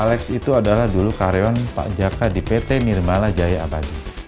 alex itu adalah dulu karyawan pak jaka di pt nirmala jaya abadi